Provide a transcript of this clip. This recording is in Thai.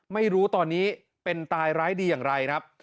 ไม่รู้ตอนนี้เป็นตายร้ายดีอย่างไรครับ